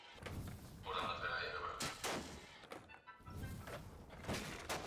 Kiswahili ili waweze kukitumia katika sughuli zao